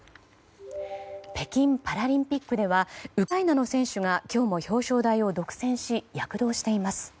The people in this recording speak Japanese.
北京パラリンピックではウクライナの選手が今日も表彰台を独占し躍動しています。